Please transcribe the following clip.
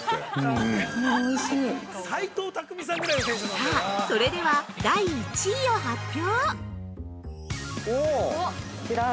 ◆さあ、それでは第１位を発表。